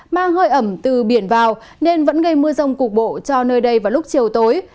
mang hơi ẩm từ biển vào nên vẫn gây mưa rông cục bộ cho nơi đây vào lúc chiều tối